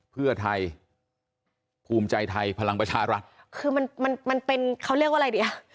เพื่อไทยภูมิใจไทยพลังประชารัฐคือมันมันมันเป็นเขาเรียกว่าอะไรดีอ่ะ